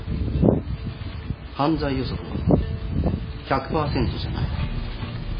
犯罪予測は１００％じゃない。